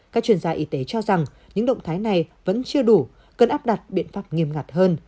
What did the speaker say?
các chuyên gia y tế cho rằng những động thái này vẫn chưa đủ cần áp đặt biện pháp nghiêm ngặt hơn